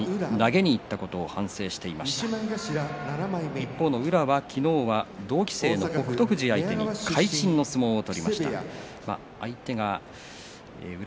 昨日、宇良は同期生の北勝富士相手に会心の相撲を取りました。